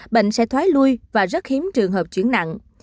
bệnh sẽ thoái lui và rất hiếm trường hợp chuyển nặng